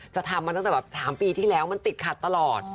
ทำมาตั้งแต่แบบ๓ปีที่แล้วมันติดขัดตลอด